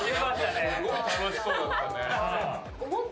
すごい楽しそうだったね。